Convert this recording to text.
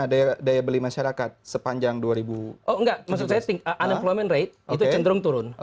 ada daya beli masyarakat sepanjang dua ribu oh nggak masuk testing unemployment rate itu cenderung turun